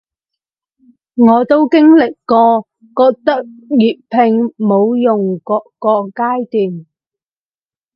我都經歷過覺得粵拼冇用箇個階段